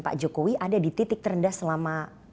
pak jokowi ada di titik terendah selama